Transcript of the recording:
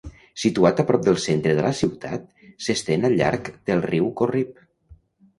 Situat a prop del centre de la ciutat, s'estén al llarg del riu Corrib.